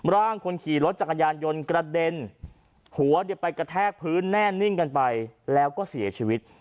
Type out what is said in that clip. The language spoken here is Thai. คนขี่รถจักรยานยนต์กระเด็นหัวไปกระแทกพื้นแน่นิ่งกันไปแล้วก็เสียชีวิต